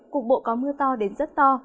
cục bộ có mưa to đến rất to